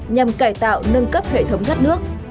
nhằm cải tạo nâng cấp hệ thống gắt nước